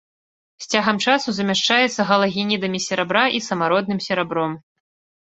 З цягам часу замяшчаецца галагенідамі серабра і самародным серабром.